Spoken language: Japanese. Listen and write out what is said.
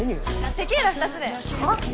テキーラ２つではっ？